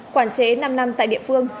quản chế năm năm tại địa phương